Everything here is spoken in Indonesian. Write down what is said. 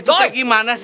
itu kayak gimana sih